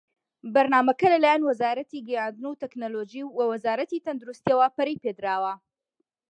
بەرنامەکە لە لایەن وەزارەتی گەیاندن وتەکنەلۆجی و وە وەزارەتی تەندروستییەوە پەرەی پێدراوە.